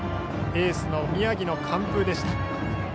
エースの宮城の完封でした。